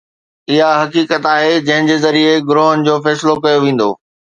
اها حقيقت آهي جنهن جي ذريعي گروهن جو فيصلو ڪيو ويندو.